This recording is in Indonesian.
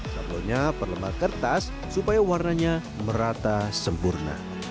sablonnya perlembar kertas supaya warnanya merata sempurna